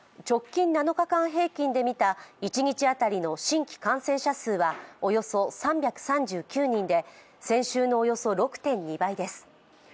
直近７日間平均でみた一日当たりの新規感染者数はおよそ３３９人で先週のおよそ６．２倍です。